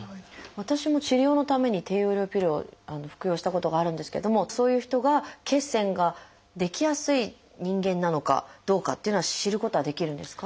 私も治療のために低用量ピルを服用したことがあるんですけれどもそういう人が血栓が出来やすい人間なのかどうかというのは知ることはできるんですか？